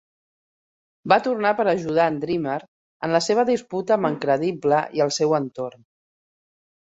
Va tornar per ajudar en Dreamer en la seva disputa amb en Credible i el seu entorn.